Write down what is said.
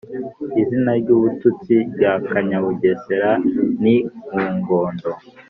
izina ry'ubututsi rya kanyabugesera ni mugondo.